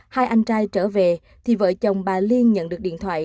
hai anh trai trở về thì vợ chồng bà liên nhận được điện thoại